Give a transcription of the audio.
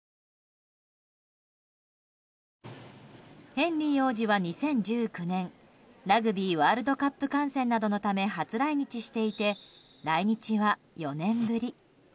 ヘンリー王子は２０１９年ラグビーワールドカップ観戦などのため初来日していて来日は４年ぶり。